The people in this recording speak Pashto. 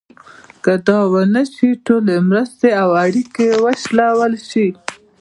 که دا ونه شي ټولې مرستې او اړیکې وشلول شي.